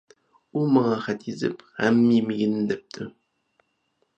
-ئۇ ماڭا خەت يېزىپ، غەم يېمىگىن، دەپتۇ!